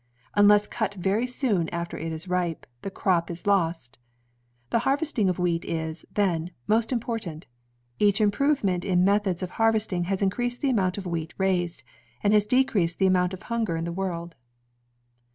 Unless cut very soon after it is ripe, the crop is lost. The harvesting of wheat is, then, most important. Each improvement in methods of harvesting has increased the amount of wheat raised, and has decreased the amount ckf Hunger in the world.